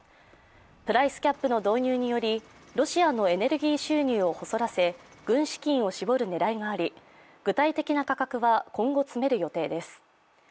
プライスキャップの導入によりロシアのエネルギー収入を細らせ軍資金を絞る狙いがあり具体的な価格は今後、詰める予定です。